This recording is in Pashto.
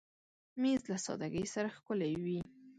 مېز له سادګۍ سره ښکلی وي.